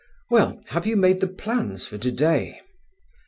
Well, have you made the plans for today?"